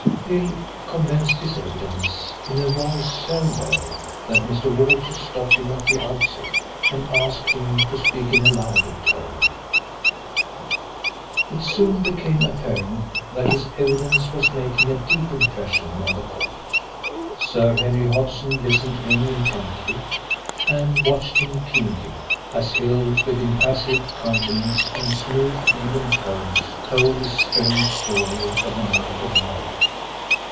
Hill commenced his evidence in a voice so low that Mr. Walters stopped him at the outset and asked him to speak in a louder tone. It soon became apparent that his evidence was making a deep impression on the court. Sir Henry Hodson listened to him intently, and watched him keenly, as Hill, with impassive countenance and smooth even tones, told his strange story of the night of the murder.